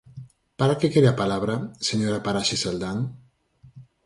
¿Para que quere a palabra, señora Paraxes Aldán?